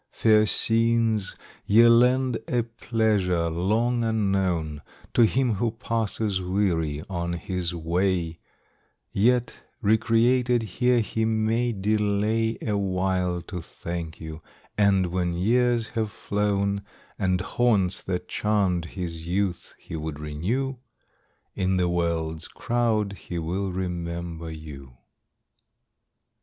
Fair scenes, ye lend a pleasure, long unknown, To him who passes weary on his way; Yet recreated here he may delay A while to thank you; and when years have flown, And haunts that charmed his youth he would renew, In the world's crowd he will remember you.